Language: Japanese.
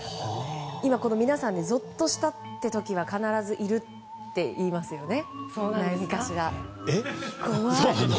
今、この皆さんでぞっとしたっていう時必ずいるっていいますよね。